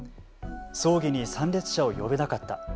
「葬儀に参列者を呼べなかった」